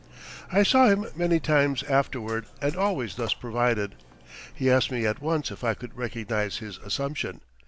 I saw him many times afterward and always thus provided. He asked me at once if I could recognize his assumption.